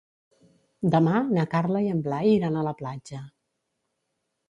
Demà na Carla i en Blai iran a la platja.